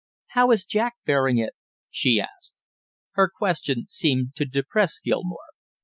"How is Jack bearing it?" she asked. Her question seemed to depress Gilmore.